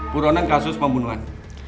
puronan kasus pembunuhan